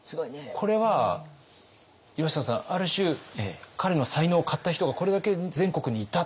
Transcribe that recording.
これは岩下さんある種彼の才能を買った人がこれだけ全国にいた？